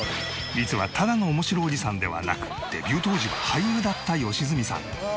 実はただの面白おじさんではなくデビュー当時は俳優だった良純さん。